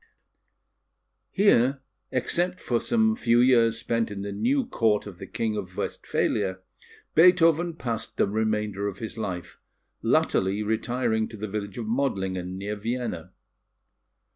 Here, except for some few years spent in the new Court of the King of Westphalia, Beethoven passed the remainder of his life, latterly retiring to the village of Modlingen, near Vienna.